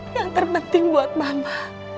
yang terpenting buat mama